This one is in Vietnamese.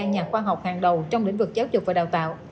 nhà khoa học hàng đầu trong lĩnh vực giáo dục và đào tạo